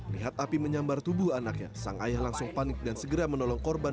lihat api menyambar tubuh anaknya sang ayah langsung panik dan segera menolong korban